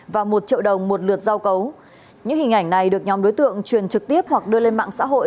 và một triệu đồng một lượt giao cấu những hình ảnh này được nhóm đối tượng truyền trực tiếp hoặc đưa lên mạng xã hội